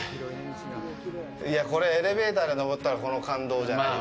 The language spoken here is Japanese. いや、これエレベーターで昇ったらこの感動じゃないよ。